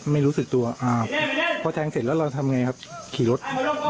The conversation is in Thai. ไม่รู้สึกตัวอ่าพอแทงเสร็จแล้วเราทำไงครับขี่รถ